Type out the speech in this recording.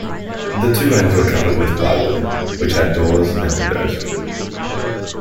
The two ends were covered with plywood, which had doors and windows.